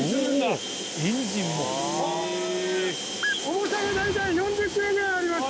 重さが大体４０ｋｇぐらいあります。